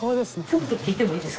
ちょっと聞いてもいいですか？